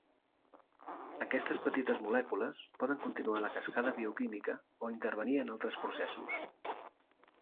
Aquestes petites molècules poden continuar la cascada bioquímica o intervenir en altres processos.